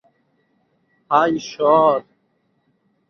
হায় ইশ্বর!